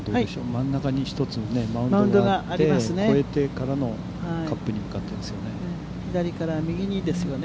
真ん中に一つマウンドがあって、越えてからのカップに向かってですよね。